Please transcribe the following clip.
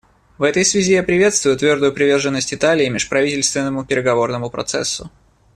В этой связи я приветствую твердую приверженность Италии межправительственному переговорному процессу.